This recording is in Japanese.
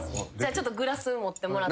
ちょっとグラス持ってもらって。